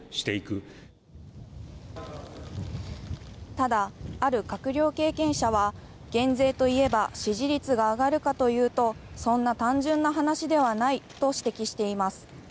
ただ、ある閣僚経験者は減税といえば支持率が上がるかというとそんな単純な話ではないと指摘しています。